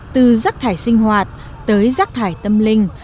từ rác thải sinh hoạt tới rác thải tâm linh